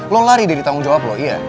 lo lari dari tanggung jawab loh iya